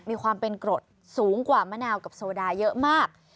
มีความเป็นกรดสูงกว่ามะนาวกับโซดาเยอะมาก